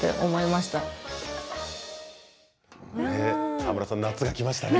川村さん、夏がきましたね。